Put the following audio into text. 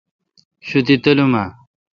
شوتی تلوم اؘ۔